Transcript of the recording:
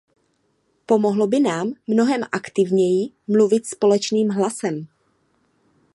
Pomohlo by nám mnohem aktivněji mluvit společným hlasem.